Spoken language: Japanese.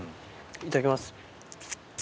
いただきます。